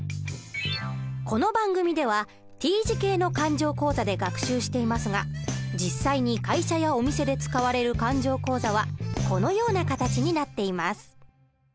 この番組ではＴ字形の勘定口座で学習していますが実際に会社やお店で使われる勘定口座はこのような形になっています。